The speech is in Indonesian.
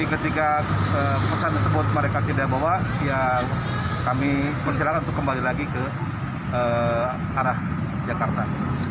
ketika pesan tersebut mereka tidak bawa kami meminta kembali lagi ke arah jakarta